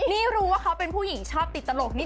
อยากได้ยินคำว่ารักท่ามคำบอกละแมทเฟ้าโมฟ้าก็รู้ดี